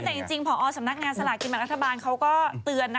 แต่จริงพอสำนักงานสลากินแบ่งรัฐบาลเขาก็เตือน